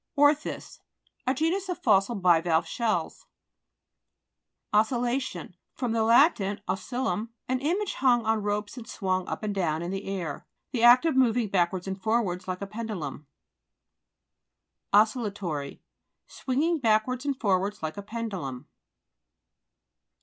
ORTHTS A genus of fossil bivalve shells (p. 29). OHTHOCE'RAS ">._ ORTHO'CERATITE j O dS > OSCILLA'TIOX fr. lat. oscillum, an image, hung on ropes and swung up and down in the air. The act of moving backwards and forwards like a pendulum. OSCILLA'TORY Swinging backwards and forwards like a pendulum.